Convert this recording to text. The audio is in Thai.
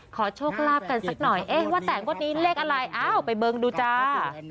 ขอโชคลาภกันสักหน่อยเอ๊ะว่าแต่งวดนี้เลขอะไรอ้าวไปเบิ้งดูจ้า